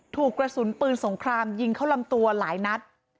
ถูกกระสุนปืนสงครามยิงเข้าลำตัวหลายนัด